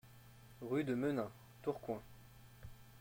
Rue de Menin, Tourcoing